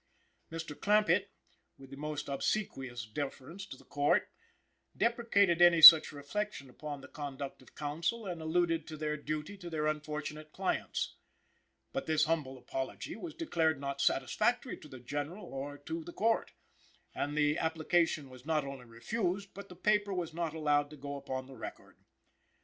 Mr. Clampitt, with the most obsequious deference to the Court, deprecated any such reflection upon the conduct of counsel and alluded to their duty to their unfortunate clients. But this humble apology was declared not satisfactory to the General or to the Court; and the application was not only refused but the paper was not allowed to go upon the record.